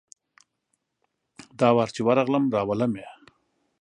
دا وار چي ورغلم ، راولم یې .